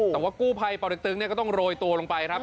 แต่ว่ากู้ไภเป่าเด็กตึงเนี่ยก็ต้องโรยตัวลงไปครับ